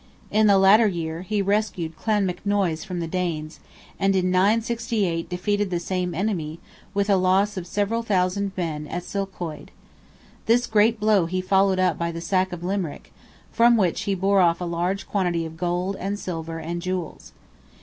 In the latter year, he rescued Clonmacnoise from the Danes, and in 968 defeated the same enemy, with a loss of several thousand men at Sulchoid. This great blow he followed up by the sack of Limerick, from which "he bore off a large quantity of gold, and silver, and jewels."